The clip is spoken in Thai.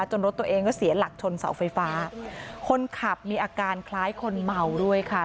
รถตัวเองก็เสียหลักชนเสาไฟฟ้าคนขับมีอาการคล้ายคนเมาด้วยค่ะ